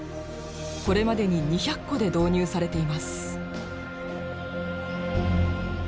これまでに２００戸で導入されています。